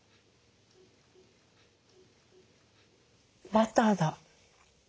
バターだ。